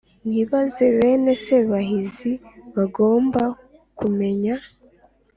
nibaze! bene sehahinzi bagomba kumenya